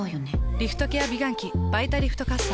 リフトケア美顔器「バイタリフトかっさ」。